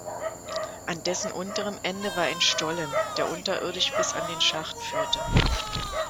An dessen unterem Ende war ein Stollen, der unterirdisch bis an den Schacht führte.